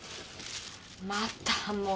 またもう！